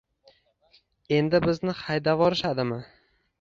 endi bizni haydavorishadimi?